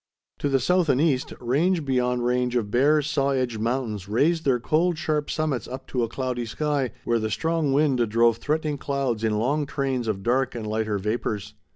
To the south and east, range beyond range of bare, saw edged mountains raised their cold, sharp summits up to a cloudy sky, where the strong wind drove threatening clouds in long trains of dark and lighter vapors.